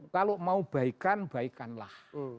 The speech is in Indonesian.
kalau mau baikan baikanlah